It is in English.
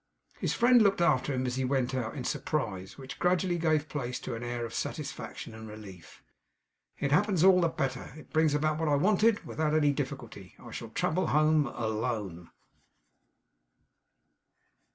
His friend looked after him as he went out, in surprise, which gradually gave place to an air of satisfaction and relief. 'It happens all the better. It brings about what I wanted, without any difficulty. I shall travel home alone.